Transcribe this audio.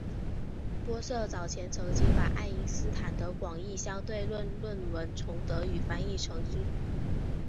玻色早前曾经把爱因斯坦的广义相对论论文从德语翻译成英语。